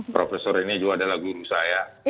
profesor ini juga adalah guru saya